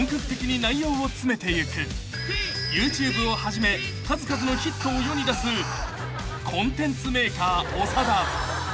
［ＹｏｕＴｕｂｅをはじめ数々のヒットを世に出すコンテンツメーカー長田］